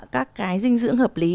các cái dinh dưỡng hợp lý